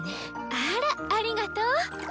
あらありがとう。